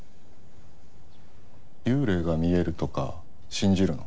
幽霊が見えるとか信じるの？